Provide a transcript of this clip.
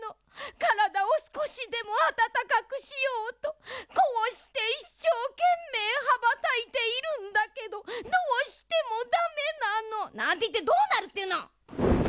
からだをすこしでもあたたかくしようとこうしていっしょうけんめいはばたいているんだけどどうしてもダメなの」なんていってどうなるっていうの！